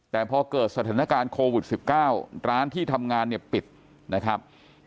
แต่พอเกิดสถานการณ์โควิด๑๙ร้านที่ทำงานเนี่ยปิดนะครับ